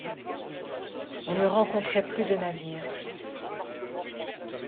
On ne rencontrait plus de navires.